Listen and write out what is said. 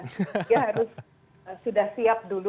dia harus sudah siap dulu